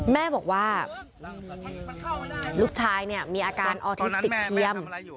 แม่บอกว่าลูกชายเนี่ยมีอาการออทิสติกเทียม